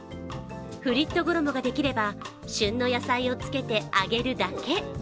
フリット衣ができれば旬の野菜をつけて揚げるだけ。